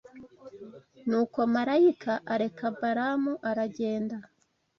Nuko marayika areka Balamu aragenda